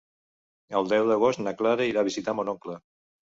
El deu d'agost na Clara irà a visitar mon oncle.